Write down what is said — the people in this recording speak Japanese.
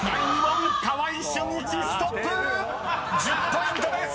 ［１０ポイントです！］